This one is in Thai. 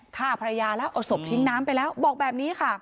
ฆ่าภรรยาแล้วเอาศพทิ้งน้ำไปแล้วบอกแบบนี้ค่ะ